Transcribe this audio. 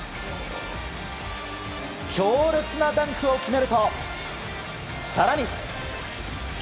強烈なダンクを決めると更に。